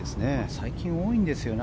最近多いんですね